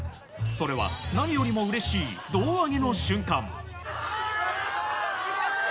それは何よりもうれしい胴上げの瞬間。